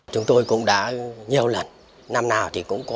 chúng tôi cũng đã nhiều lần năm nào thì cũng có